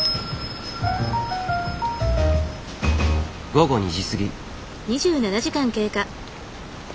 午後２時過ぎ。